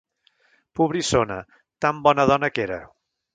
Pobrissona, tan bona dona que era!